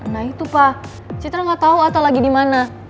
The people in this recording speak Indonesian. nah itu pa citra gak tau ata lagi dimana